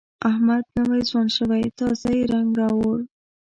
احمد نوی ځوان شوی، تازه یې رنګ راوړ.